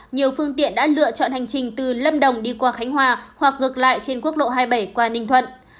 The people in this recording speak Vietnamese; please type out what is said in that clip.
nhiều phương tiện đã lựa chọn hành trình từ lâm đồng đi qua khánh hòa hoặc ngược lại trên quốc lộ hai mươi bảy qua ninh thuận